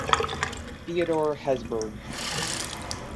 Theodore Hesburgh.